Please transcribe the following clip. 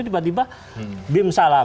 tiba tiba bim salah